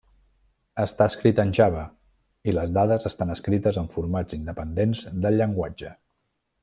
Està escrit en Java, i les dades estan escrites en formats independents del llenguatge.